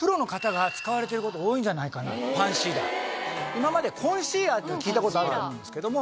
今までコンシーラーっていうのは聞いた事あると思うんですけども。